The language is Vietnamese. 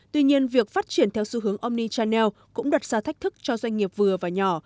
tuy nhiên việc phát triển theo xu hướng omi chanell cũng đặt ra thách thức cho doanh nghiệp vừa và nhỏ